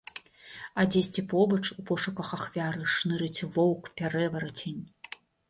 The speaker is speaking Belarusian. А дзесьці побач у пошуках ахвяры шнырыць воўк-пярэварацень.